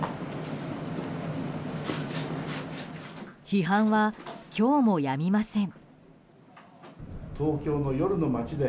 批判は今日もやみません。